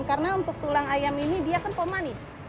karena untuk tulang ayam ini dia kan pemanis